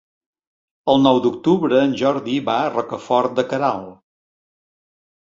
El nou d'octubre en Jordi va a Rocafort de Queralt.